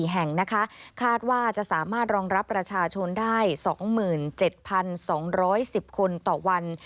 ๔แห่งนะคะคาดว่าจะสามารถรองรับประชาชนได้๒๗๒๑๐คนต่อวัน